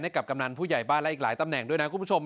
กำนันผู้ใหญ่บ้านและอีกหลายตำแหน่งด้วยนะคุณผู้ชม